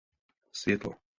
Světlo